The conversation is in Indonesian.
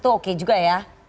itu oke juga ya